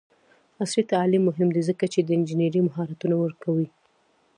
عصري تعلیم مهم دی ځکه چې د انجینرۍ مهارتونه ورکوي.